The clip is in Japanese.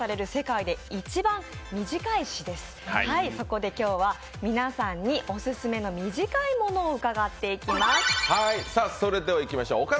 そこで今日は皆さんにオススメの短いものを伺っていきます。